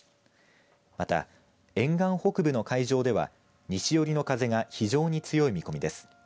また、沿岸北部の海上では西寄りの風が非常に強い見込みです。